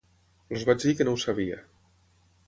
Els vaig dir que no ho sabia.